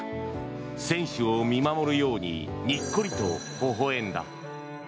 選手を見守るようにニッコリとほほ笑んだ。